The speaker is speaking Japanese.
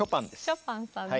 ショパンさんです。